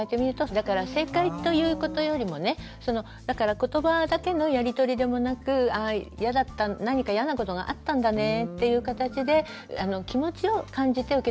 だから正解ということよりもねだからことばだけのやり取りでもなく何かイヤなことがあったんだねっていうかたちで気持ちを感じて受け止めてあげる。